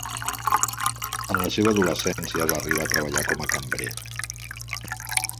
En la seva adolescència va arribar a treballar com a cambrer.